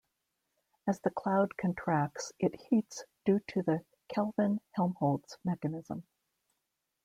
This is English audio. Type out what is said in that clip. As the cloud contracts it heats due to the Kelvin-Helmholtz mechanism.